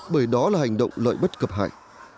bởi đó là hành động lợi bất cập hại